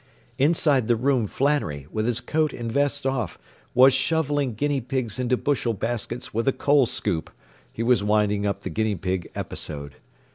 Inside the room Flannery, with' his coat and vest off, was shoveling guinea pigs into bushel baskets with a coal scoop. He was winding up the guinea pig episode.